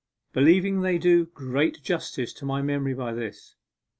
believing they do great justice to my memory by this.